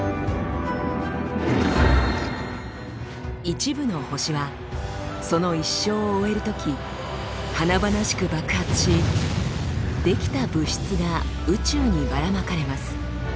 一部の星はその一生を終えるとき華々しく爆発し出来た物質が宇宙にばらまかれます。